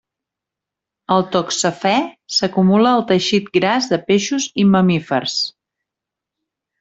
El toxafè s'acumula al teixit gras de peixos i mamífers.